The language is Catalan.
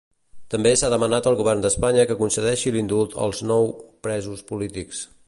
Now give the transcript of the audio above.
També s'ha demanat al govern d'Espanya que concedeixi l'indult als nou presos polítics.